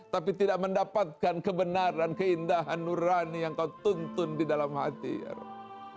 tapi tidak mendapatkan kebenaran keindahan nurani yang kau tuntun di dalam hati rob